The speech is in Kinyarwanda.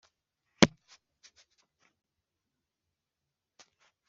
Uburanga bube ari bwo bubaranga